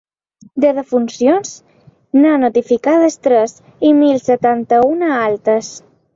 De defuncions, n’ha notificades tres, i mil setanta-una altes.